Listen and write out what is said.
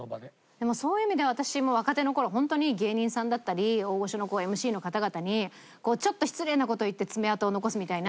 でもそういう意味では私も若手の頃はホントに芸人さんだったり大御所のＭＣの方々にこうちょっと失礼な事を言って爪痕を残すみたいな。